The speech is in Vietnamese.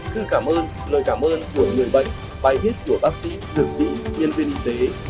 thư cảm ơn lời cảm ơn của người bệnh bài viết của bác sĩ dược sĩ nhân viên y tế